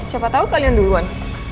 siapa tau kalian duluan